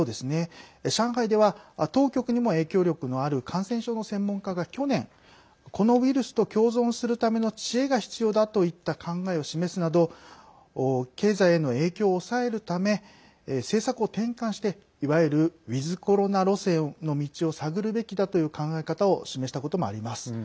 上海では当局にも影響力のある感染症の専門家が去年、このウイルスと共存するための知恵が必要だといった考えを示すなど経済への影響を抑えるため政策を転換していわゆるウィズコロナ路線の道を探るべきだという考え方を示したこともあります。